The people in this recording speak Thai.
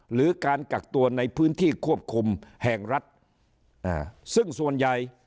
หรือการกักตัวในพื้นที่ควบคุมแห่งรัฐอ่าซึ่งส่วนใหญ่